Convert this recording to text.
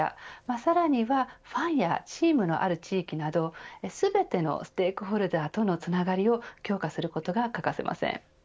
さらには、ファンやチームのある地域など全てのステークホルダーとのつながりを強化することが欠かせません。